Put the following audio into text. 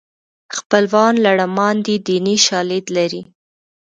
خپلوان لړمان دي دیني شالید لري